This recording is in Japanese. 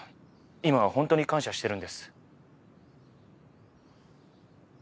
今は本当に感謝してるんです。